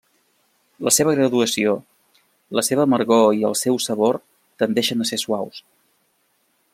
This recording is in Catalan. La seva graduació, la seva amargor i el seu sabor tendeixen a ser suaus.